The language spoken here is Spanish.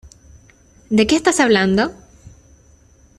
¿ De qué estás hablando?